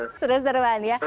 sudah seru seruan ya